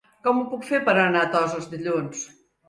Com ho puc fer per anar a Toses dilluns?